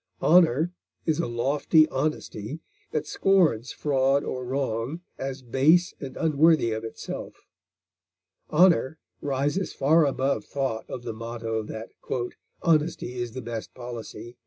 Honor is a lofty honesty that scorns fraud or wrong as base and unworthy of itself. Honor rises far above thought of the motto that "honesty is the best policy."